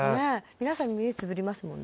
皆さん目つぶりますもんね」